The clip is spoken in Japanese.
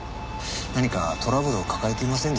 何かトラブルを抱えていませんでしたか？